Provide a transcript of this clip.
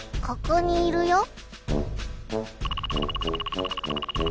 ここにいるよ。